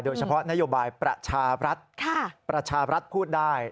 โดยเฉพาะนโยบายประชารัฐพูดได้